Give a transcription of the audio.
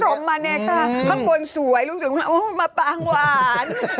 ผสมมาเนี่ยค่ะข้างบนสวยเราก็โดนสวนอ๋อมาปางหวาน